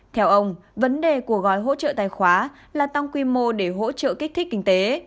theo ông vấn đề của gói hỗ trợ tài khoá là tăng quy mô để hỗ trợ kích thích kinh tế